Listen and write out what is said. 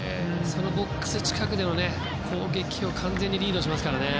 ボックス近くでの攻撃を完全にリードしますからね。